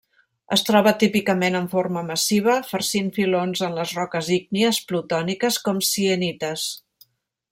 Es troba típicament en forma massiva, farcint filons en les roques ígnies plutòniques com sienites.